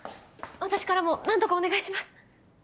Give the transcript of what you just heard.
私からも何とかお願いします。